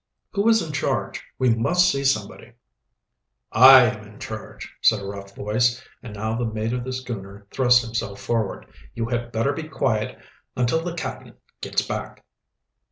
"Who is in charge? We must see somebody." "I am in charge," said a rough voice, and now the mate of the schooner thrust himself forward. "You had better be quiet until the cap'n gits back."